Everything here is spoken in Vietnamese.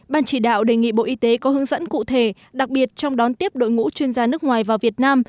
ban chỉ đạo đề nghị bộ y tế có hướng dẫn cụ thể đặc biệt trong đón tiếp đội ngũ chuyên gia nước ngoài vào việt nam